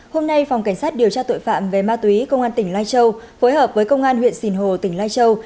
hôm nay phòng cảnh sát điều tra tội phạm về ma túy công an tỉnh lai châu phối hợp với công an huyện sìn hồ tỉnh lai châu